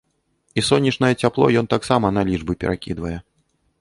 І сонечнае цяпло ён таксама на лічбы перакідвае.